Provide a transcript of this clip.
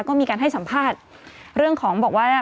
ก็มีการให้สัมภาษณ์เรื่องของบอกว่า